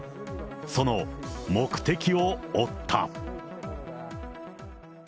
その目的を追った。